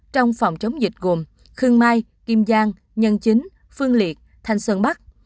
trong phòng chống dịch gồm khương mai kim giang nhân chính phương liệt thanh sơn bắc